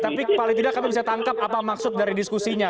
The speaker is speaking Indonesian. tapi paling tidak kami bisa tangkap apa maksud dari diskusinya